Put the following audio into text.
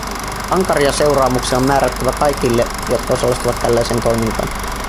Ankaria seuraamuksia on määrättävä kaikille, jotka osallistuvat tällaiseen toimintaan.